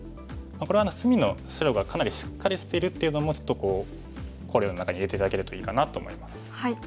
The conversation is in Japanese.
これは隅の白がかなりしっかりしてるっていうのもちょっと考慮の中に入れて頂けるといいかなと思います。